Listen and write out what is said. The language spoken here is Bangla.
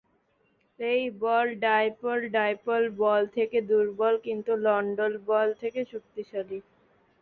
এ বল ডাইপোল-ডাইপোল বল থেকে দুর্বল, কিন্তু লন্ডন বল অপেক্ষা শক্তিশালী।